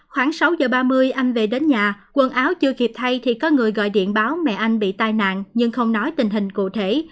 khoảng sáu giờ ba mươi anh về đến nhà quần áo chưa kịp thay thì có người gọi điện báo mẹ anh bị tai nạn nhưng không nói tình hình cụ thể